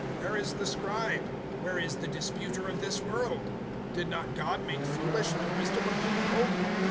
Where is the scribe? Where is the disputer of this world? Did not God make foolish the wisdom of the world?